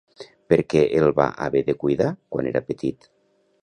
Per què el va haver de cuidar quan era petit?